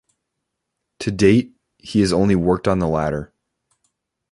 To date he has only worked on the latter.